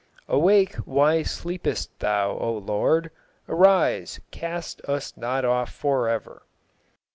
Awake, why sleepest thou, O Lord? Arise, cast us not off for ever.